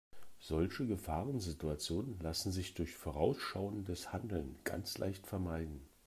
Solche Gefahrensituationen lassen sich durch vorausschauendes Handeln ganz leicht vermeiden.